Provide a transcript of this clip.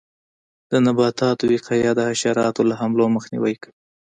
د نباتاتو وقایه د حشراتو له حملو مخنیوی کوي.